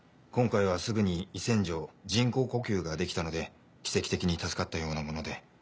今回はすぐに胃洗浄人工呼吸ができたので奇跡的に助かったようなもので。